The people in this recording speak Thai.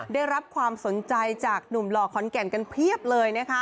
ได้รับความสนใจจากหนุ่มหล่อขอนแก่นกันเพียบเลยนะคะ